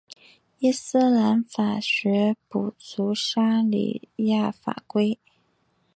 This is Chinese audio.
伊斯兰教法学补足沙里亚法规。